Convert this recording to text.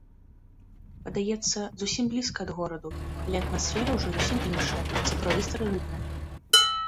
Падаецца, зусім блізка ад гораду, але атмасфера ўжо зусім іншая, сапраўды старажытная!